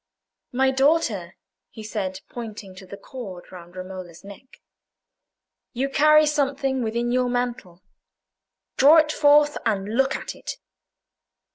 "My daughter," he said, pointing to the cord round Romola's neck, "you carry something within your mantle; draw it forth, and look at it."